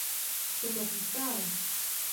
To platí stále.